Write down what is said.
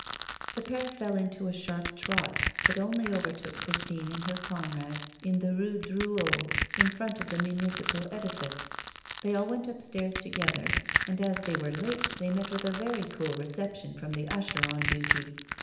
The pair fell into a sharp trot, but only overtook Christine and their comrades in the Rue Drouot in front of the municipal edifice. They all went upstairs together, and as they were late they met with a very cool reception from the usher on duty.